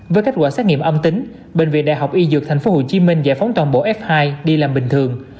với kết quả xét nghiệm âm tính bệnh viện đại học y dược tp hcm giải phóng toàn bộ f hai đi làm bình thường